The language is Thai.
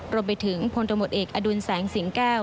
รวมไปถึงพลตำรวจเอกอดุลแสงสิงแก้ว